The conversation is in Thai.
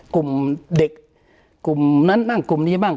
กลุ่มเด็กกลุ่มนั้นบ้างกลุ่มนี้บ้าง